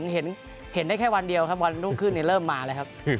เห็นได้แค่วันเดียวครับวันรุ่งขึ้นเริ่มมาแล้วครับ